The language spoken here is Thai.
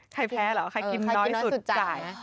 ใครแพ้เหรอใครกินน้อยสุดจ่าย